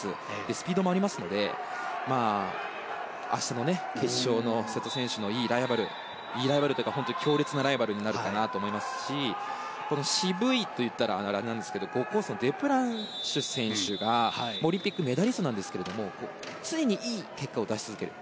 スピードもありますので明日の決勝、瀬戸選手のいいライバルというか強烈なライバルになるかなと思いますし渋いと言ったらあれですけど５コースのデプランシュ選手がオリンピックメダリストなんですが常にいい結果を出し続ける。